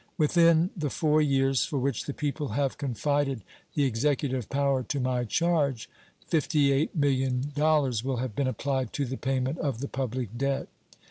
Within the four years for which the people have confided the Executive power to my charge $58,000,000 will have been applied to the payment of the public debt.